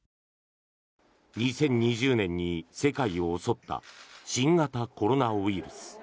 ２０２０年に世界を襲った新型コロナウイルス。